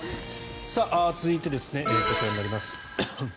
続いて、こちらになります。